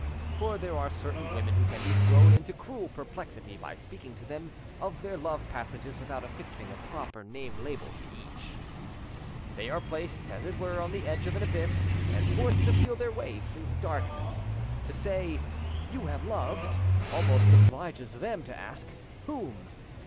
For there are certain women who can be thrown into cruel perplexity by speaking to them of their love passages without affixing a proper name label to each. They are placed as it were on the edge of an abyss, and forced to feel their way in darkness. To say "You have loved" almost obliges them to ask "Whom?"